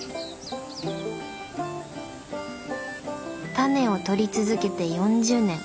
タネをとり続けて４０年。